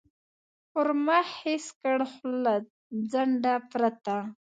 پر مخ حس کړ، خو له ځنډه پرته.